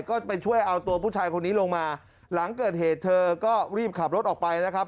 ก็จะไปช่วยเอาตัวผู้ชายคนนี้ลงมาหลังเกิดเหตุเธอก็รีบขับรถออกไปนะครับ